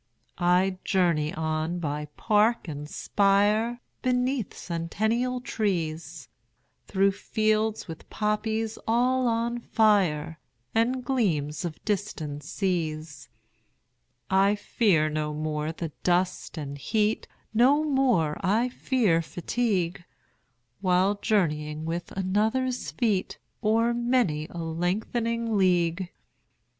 20 I journey on by park and spire, Beneath centennial trees, Through fields with poppies all on fire, And gleams of distant seas. I fear no more the dust and heat, 25 No more I fear fatigue, While journeying with another's feet O'er many a lengthening league.